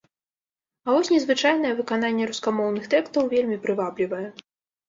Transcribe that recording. А вось незвычайнае выкананне рускамоўных тэкстаў вельмі прываблівае.